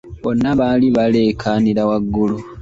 Bonna baali baleekaanira waggulu.